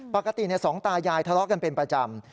ปกติสองตายายทะเลาะกันเป็นประจำ